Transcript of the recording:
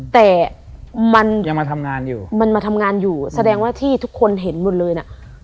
แต่มันยังมาทำงานอยู่มันมาทำงานอยู่แสดงว่าที่ทุกคนเห็นหมดเลยน่ะ